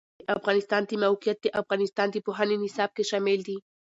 د افغانستان د موقعیت د افغانستان د پوهنې نصاب کې شامل دي.